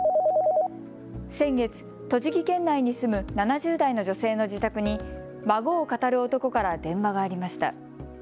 先月、栃木県内に住む７０代の女性の自宅に孫をかたる男から電話がありました。